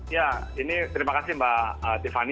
ya ini terima kasih mbak tiffany